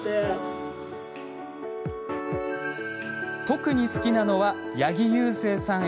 特に好きなのは八木勇征さん